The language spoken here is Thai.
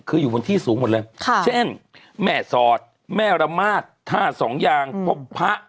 คืออยู่บนที่สูงหมดเลยค่ะเช่นแม่สอดแม่ระมาทท่าสองยางพบพระ